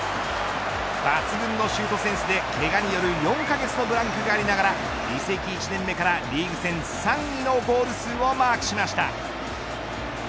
抜群のシュートセンスでけがによる４カ月のブランクがありながら移籍１年目からリーグ戦３位のゴール数をマークしました。